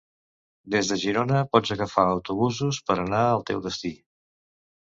Des de Girona pots agafar autobusos per anar al teu destí.